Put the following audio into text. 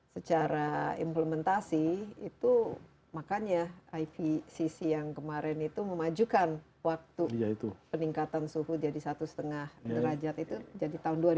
secara implementasi itu makanya ipcc yang kemarin itu memajukan waktu peningkatan suhu jadi satu lima derajat itu jadi tahun dua ribu dua